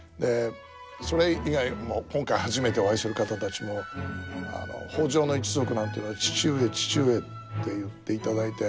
それ以外も今回初めてお会いする方たちも北条の一族なんていうのは「父上父上」って言っていただいて。